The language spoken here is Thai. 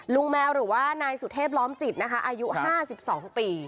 แมวหรือว่านายสุเทพล้อมจิตนะคะอายุ๕๒ปี